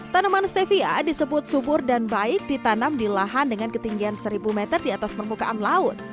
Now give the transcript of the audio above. tanaman stevia disebut subur dan baik ditanam di lahan dengan ketinggian seribu meter di atas permukaan laut